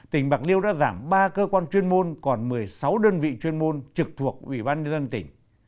tỉnh bạc liêu đã giảm ba cơ quan chuyên môn còn một mươi sáu đơn vị chuyên môn trực thuộc ủy ban nhân dân tỉnh